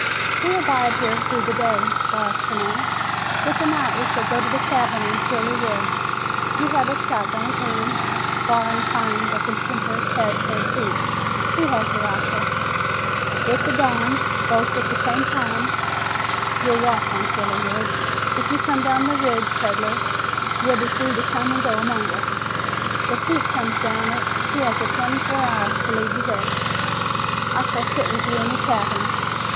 "We'll bide here through the day," Barr pronounced. "With the night we shall go to a cabin on Trilley Ridge. You have a shotgun an'," Barr inclined a contemptuous head toward Pete, "he has a rifle. With the dawn, both at the same time, ye'll walk on Trilley Ridge. If you come down the ridge, peddler, ye'll be free to come an' go amongst us. If Pete comes down it, he has a twenty four hours to leave the hills. I shall sit with ye in the cabin.